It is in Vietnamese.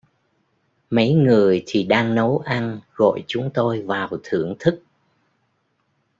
Mấy người thì đang nấu ăn gọi chúng tôi vào thưởng thức